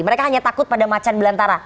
mereka hanya takut pada macan belantara